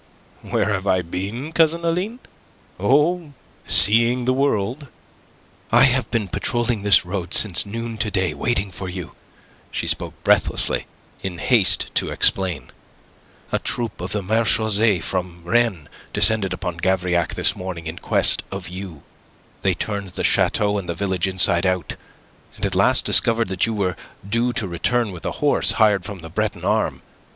"Where have I been, Cousin Aline? Oh... seeing the world." "I have been patrolling this road since noon to day waiting for you." She spoke breathlessly, in haste to explain. "A troop of the marechaussee from Rennes descended upon Gavrillac this morning in quest of you. They turned the chateau and the village inside out, and at last discovered that you were due to return with a horse hired from the Breton arme.